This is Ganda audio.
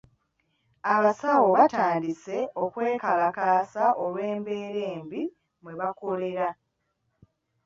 Abasawo baatandise okwekalakaasa olw'embeera embi mwe bakolera.